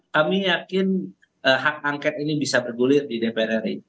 kami yakin hak angket ini bisa bergulir di dpr ri